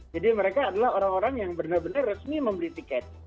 jadi mereka adalah orang orang yang benar benar resmi membeli tiket